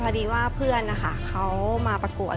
พอดีว่าเพื่อนนะคะเขามาประกวด